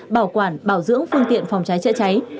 bảo quản bảo dưỡng phương tiện phòng cháy chữa cháy